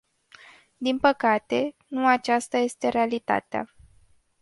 Din păcate, nu aceasta este realitatea.